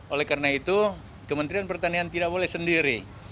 oleh karena itu kementerian pertanian tidak boleh sendiri